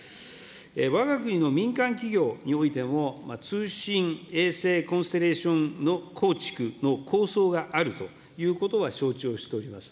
わが国の民間企業においても、通信衛星コンステレーションの構築の構想があるということは承知をしております。